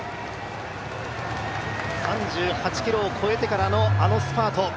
３８ｋｍを超えてからのあのスパート。